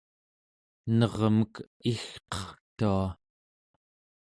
enermek igqertua